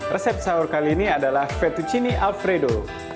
resep sahur kali ini adalah fethuchini alfredo